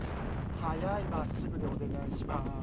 速い真っすぐでお願いしまーす。